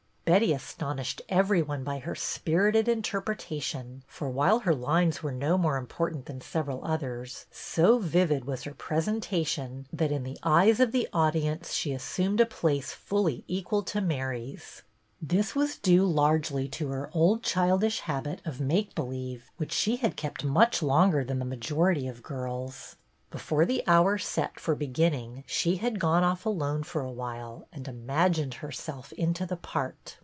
Betty astonished every one by her spirited interpretation ; for while her lines were no more important than several others', so vivid was her presentation that in the eyes of the audience she assumed a place fully equal to Mary's. This was due largely to her old childish habit of " make believe," which she had kept much longer 10 BETTY BAIRD 146 than the majority of girls. Before the hour set for beginning she had gone off alone for a while and imagined herself into the part.